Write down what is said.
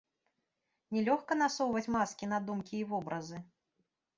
Не лёгка насоўваць маскі на думкі і вобразы.